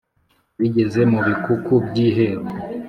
Bigeza mu Bikuku by'iheru